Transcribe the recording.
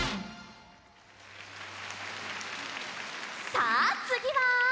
さあつぎは。